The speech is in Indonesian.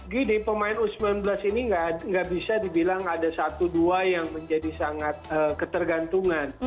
gini pemain u sembilan belas ini nggak bisa dibilang ada satu dua yang menjadi sangat ketergantungan